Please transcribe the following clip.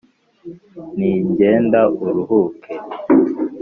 Nti: genda uruhuke